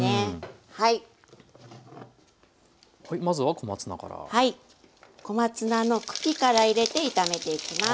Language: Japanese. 小松菜の茎から入れて炒めていきます。